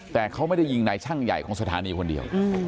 แต่เขาไม่ได้ยิงนายช่างใหญ่ของสถานีคนเดียว